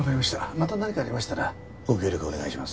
また何かありましたらご協力お願いします。